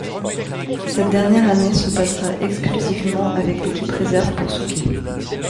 Cette dernière année se passera exclusivement avec l'équipe réserve pour Souquet.